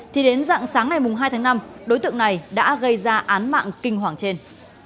thì đến dạng sáng ngày hai tháng năm đối tượng này đã gây ra án mạng kinh hoàng trên